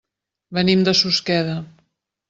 Venim de Susqueda.